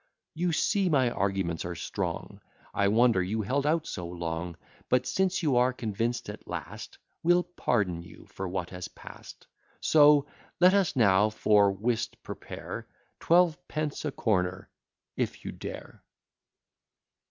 You see my arguments are strong, I wonder you held out so long; But, since you are convinced at last, We'll pardon you for what has past. So let us now for whist prepare; Twelve pence a corner, if you dare.